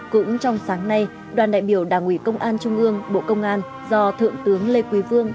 cũng trong sáng nay đoàn đại biểu đảng ủy công an trung ương bộ công an do thượng tướng lê quý vương